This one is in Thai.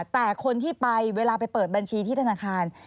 แต่คนที่ไปเวลาไปเปิดบัญชีที่ธนาคาร